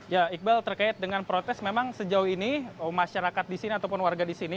ya iqbal terkait dengan protes memang sejauh ini masyarakat di sini ataupun warga di sini